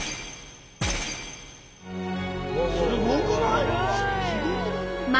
すごくない？